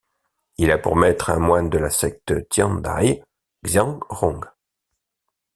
Il a pour maître un moine de la secte Tiandai, Xiang Rong.